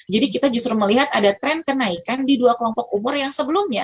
jadi kita justru melihat ada tren kenaikan di dua kelompok umur yang sebelumnya